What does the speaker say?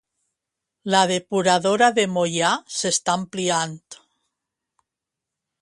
La depuradora de Moià s'està ampliant.